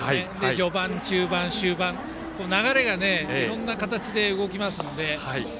序盤、中盤、終盤と流れがいろいろな形で動きますので。